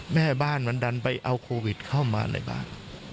แม่บ้านมันดันไปเอาโควิดเข้ามาในบ้าน